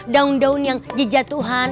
daun daun yang jejat tuhan